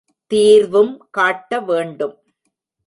தீர்வும் காட்ட வேண்டும்.